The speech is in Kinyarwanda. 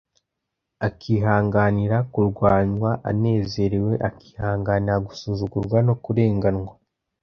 akihanganira kurwanywa anezerewe, akihanganira gusuzugurwa no kurenganywa